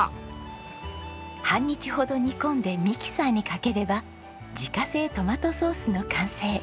半日ほど煮込んでミキサーにかければ自家製トマトソースの完成。